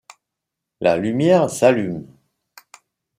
La lumière s'allume.